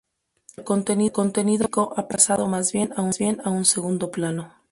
El contenido político ha pasado más bien a un segundo plano.